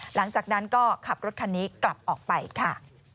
หลังจากนั้นก็ขับรถคันนี้กลับออกไปค่ะ